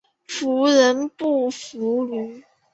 妇人不淫妒。